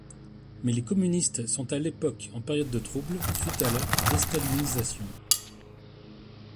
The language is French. Mais les communistes sont à l'époque en période de trouble, suite à la déstalinisation.